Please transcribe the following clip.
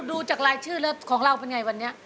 แล้วดูจากรายชื่อของเราเป็นไงวันนี้